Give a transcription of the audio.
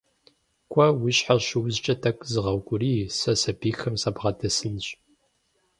Кӏуэ, уи щхьэр щыузкӏэ тӏэкӏу зыгъэукӏурий, сэ сэбийхэм сабгъэдэсынщ.